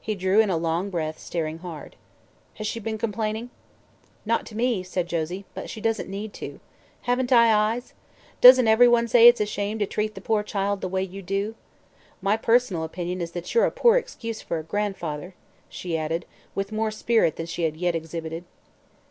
He drew in a long breath, staring hard. "Has she been complaining?" "Not to me," said Josie; "but she doesn't need to. Haven't I eyes? Doesn't everyone say it's a shame to treat the poor child the way you do? My personal opinion is that you're a poor excuse for a grandfather," she added, with more spirit than she had yet exhibited.